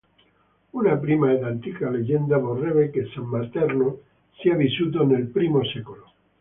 Una prima ed antica leggenda vorrebbe che san Materno sia vissuto nel I secolo.